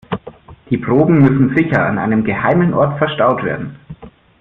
Die Proben müssen sicher an einem geheimen Ort verstaut werden.